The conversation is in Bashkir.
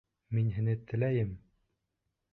«Мин һине теләйем!»